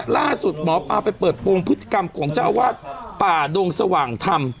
ล่าสุดหมอปลาไปเปิดโปรงพฤติกรรมของเจ้าอาวาสป่าดงสว่างธรรม